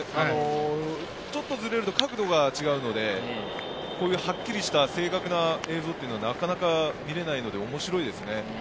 ちょっとずれると角度が違うので、こういうはっきりした正確な映像はなかなか見れないので面白いですね。